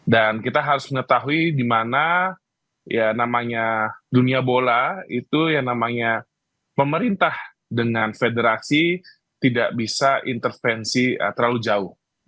dan kita harus mengetahui dimana ya namanya dunia bola itu yang namanya pemerintah dengan federasi tidak bisa intervensi terlalu jauh